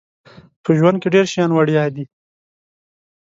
په ژوند کې ډیر شیان وړيا دي